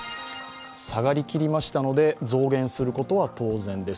下がりきりましたので増減することは当然です。